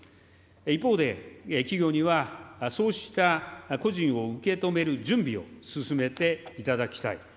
一方で、企業にはそうした個人を受け止める準備を進めていただきたい。